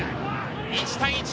１対１。